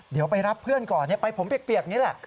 เดี๋ยวไปรับเพื่อนก่อนไปผมเปียกนี้แหละ